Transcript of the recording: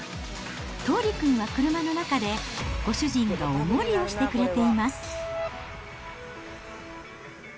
桃琉くんは車の中でご主人がお守りをしてくれています。